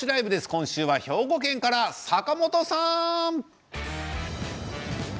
今週は兵庫県から坂本さん。